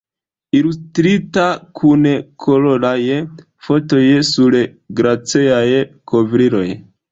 Ilustrita, kun koloraj fotoj sur glaceaj kovriloj.